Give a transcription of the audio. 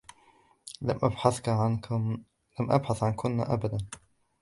لم أبحث عنكن أبدا.